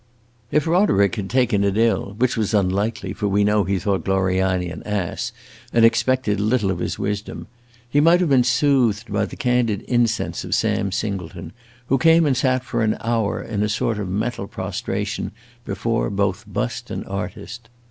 If Roderick had taken it ill (which was unlikely, for we know he thought Gloriani an ass, and expected little of his wisdom), he might have been soothed by the candid incense of Sam Singleton, who came and sat for an hour in a sort of mental prostration before both bust and artist.